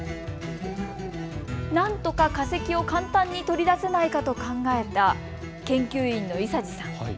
なんとか化石を簡単に取り出せないかと考えた研究員の伊佐治さん。